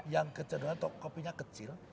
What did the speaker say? yang kecenderungan kopinya kecil